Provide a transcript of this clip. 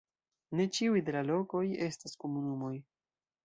Ne ĉiuj de la lokoj estas komunumoj.